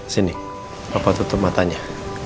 sini papa tutup matanya